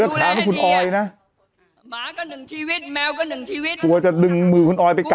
ดำเนินคดีให้ถึงที่สุดค่ะ